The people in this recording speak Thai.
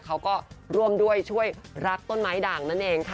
เขาก็ร่วมด้วยช่วยรักต้นไม้ด่างนั่นเองค่ะ